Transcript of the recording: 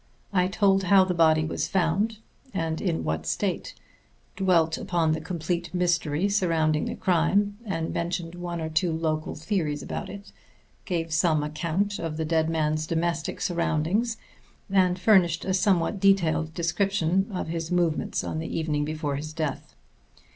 I told how the body was found, and in what state; dwelt upon the complete mystery surrounding the crime and mentioned one or two local theories about it; gave some account of the dead man's domestic surroundings; and furnished a somewhat detailed description of his movements on the evening before his death.